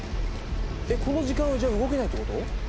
この時間はじゃあ動けないってこと？